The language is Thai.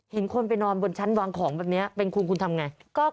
เห็นคนไปนอนบนชั้นวางของแบบนี้เป็นคุณคุณทำไง